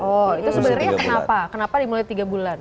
oh itu sebenarnya kenapa kenapa dimulai tiga bulan